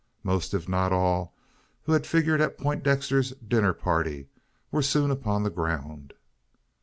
Most, if not all, who had figured at Poindexter's dinner party, were soon upon the ground.